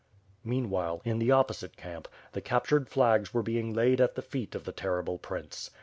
Meanwhile, in the opposite camp, the captured flags were being laid at the feet of the terrible prince.